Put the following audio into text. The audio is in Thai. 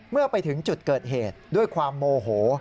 เมื่อไปถึงจุดเกิดเหตุด้วยความโมโห